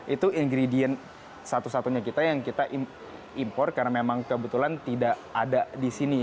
itu ingredient satu satunya kita yang kita impor karena memang kebetulan tidak ada di sini